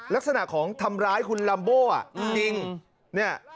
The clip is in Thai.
ลักษณะของทำร้ายคุณลัมโบอ่ะจริงเนี่ย